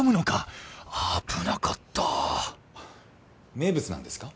名物なんですか？